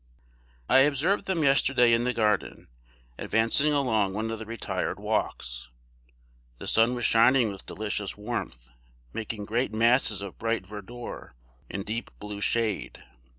I observed them yesterday in the garden, advancing along one of the retired walks. The sun was shining with delicious warmth, making great masses of bright verdure, and deep blue shade.